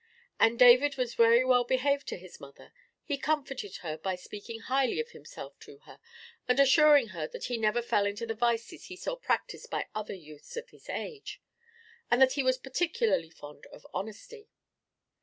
And David was very well behaved to his mother; he comforted her by speaking highly of himself to her, and assuring her that he never fell into the vices he saw practised by other youths of his own age, and that he was particularly fond of honesty.